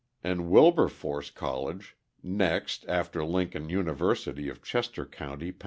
And Wilberforce College, next after Lincoln University of Chester County, Pa.